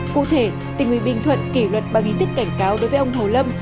cụ thể tỉnh bình thuận kỷ luật bằng hình thức cảnh cáo đối với ông hồ lâm